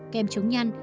kem chống nhăn